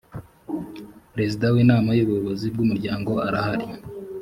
perezida w’inama y’ubuyobozi bw’umuryango arahari